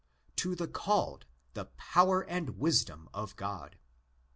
8), to the '"'called'' the power and wisdom of God (i.